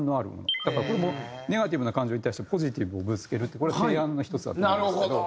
だからこれもネガティブな感情に対してポジティブをぶつけるってこれ提案の一つだと思うんですけど。